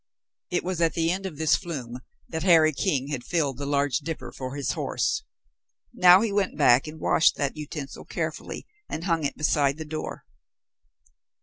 It was at the end of this flume that Harry King had filled the large dipper for his horse. Now he went back and washed that utensil carefully, and hung it beside the door.